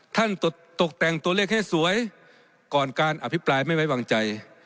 ตกแต่งตัวเลขให้สวยก่อนการอภิปรายไม่ไว้วางใจ